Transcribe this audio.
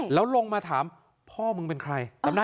แล้วลงมาถามพ่อมึงเป็นใครจำได้